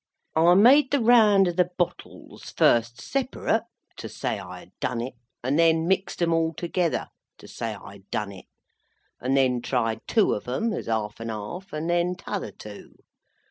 I made the round of the bottles, first separate (to say I had done it), and then mixed 'em all together (to say I had done it), and then tried two of 'em as half and half, and then t'other two.